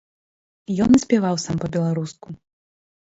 Ён і спяваў сам па-беларуску.